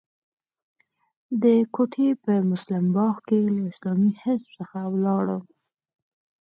د کوټې په مسلم باغ کې له اسلامي حزب څخه ولاړم.